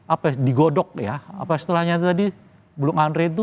apa ya digodok ya apa setelahnya tadi bung andre itu